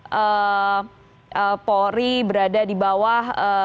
pak kapolri berada di bawah